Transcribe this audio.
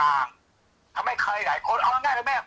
แม่ยังคงมั่นใจและก็มีความหวังในการทำงานของเจ้าหน้าที่ตำรวจค่ะ